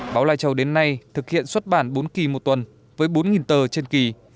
báo lai châu đến nay thực hiện xuất bản bốn kỳ một tuần với bốn tờ trên kỳ